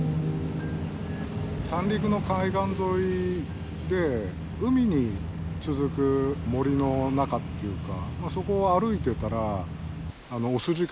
三陸の海岸沿いで海に続く森の中っていうかそこを歩いてたらオス鹿がぼんと立ってて。